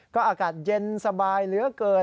ก็อากาศเย็นสบายเหลือเกิน